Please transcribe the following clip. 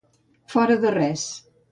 Fora de res.